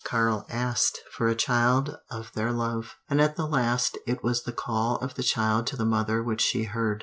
Karl asked for a child of their love. And at the last it was the call of the child to the mother which she heard.